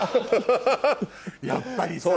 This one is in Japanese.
やっぱりさ。